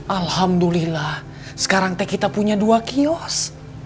alhamdulillah sekarang teh kita punya dua kios